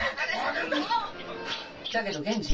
だけど源次。